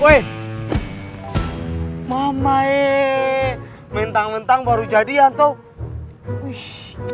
weh mama ee mentang mentang baru jadian tuh